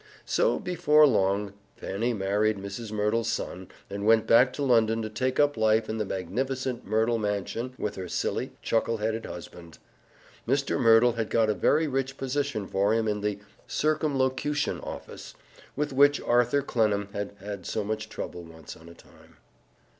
So, before long, Fanny married Mrs. Merdle's son, and went back to London to take up life in the magnificent Merdle mansion with her silly, chuckle headed husband. Mr. Merdle had got a very rich position for him in the "Circumlocution Office" with which Arthur Clennam had had so much trouble once on a time.